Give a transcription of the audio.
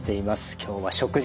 今日は食事。